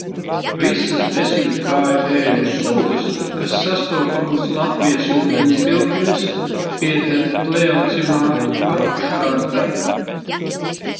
Visas desmitkājvēžu sugas, kas sastopamas Latvijas ūdenstilpēs, pieder pleocimātu apakškārtai.